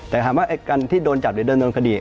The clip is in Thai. แต่ถามว่าการที่โดนจับหรือเดินโดนคดี